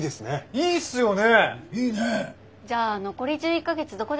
いいっすね